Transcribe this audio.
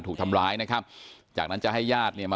อ๋อแต่ไม่ใช่เรื่องที่อีกนะ